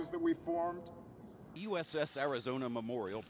tổng thống mỹ nhật bản mỹ đang mạnh mẽ hơn bao giờ hết